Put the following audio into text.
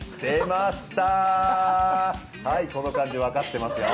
はい、この感じ分かってますよ。